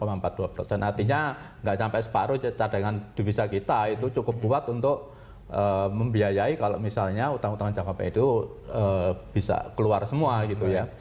artinya nggak sampai separuh cadangan divisa kita itu cukup buat untuk membiayai kalau misalnya utang utang jangka pendek itu bisa keluar semua gitu ya